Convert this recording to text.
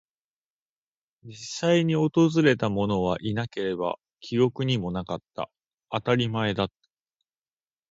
実際に訪れたものはいなければ、記憶にもなかった。当たり前だった。